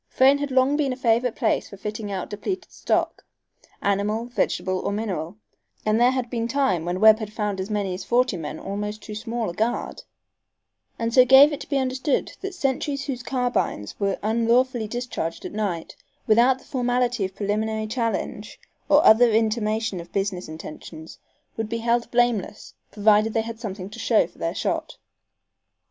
Frayne had long been a favorite place for fitting out depleted stock, animal, vegetable or mineral, and there had been times when Webb found as many as forty men almost too small a guard, and so gave it to be understood that sentries whose carbines were unlawfully discharged at night, without the formality of preliminary challenge or other intimation of business intentions, would be held blameless, provided they had something to show for their shot.